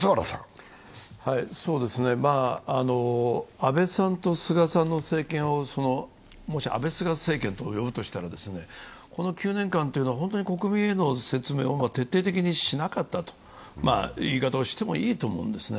安倍さんと菅さんの政権を、もしアベスガ政権と呼ぶとしたらこの９年間というのは国民への説明を徹底的にしなかったという言い方をしてもいいと思うんですね。